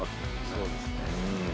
そうですね。